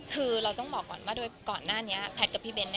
คือเราต้องบอกก่อนว่าโดยก่อนหน้านี้แพทย์กับพี่เบ้น